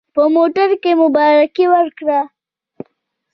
په موټر کې مبارکي ورکړه.